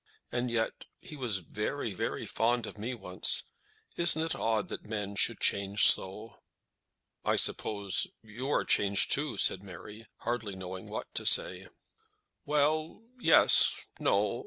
And yet, he was very, very fond of me once. Isn't it odd that men should change so?" "I suppose you are changed, too," said Mary, hardly knowing what to say. "Well, yes, no.